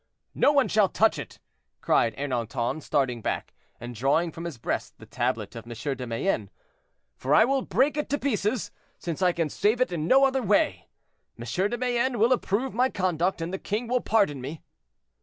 "No one shall touch it," cried Ernanton, starting back and drawing from his breast the tablet of M. de Mayenne, "for I will break it to pieces, since I can save it in no other way; M. de Mayenne will approve my conduct, and the king will pardon me."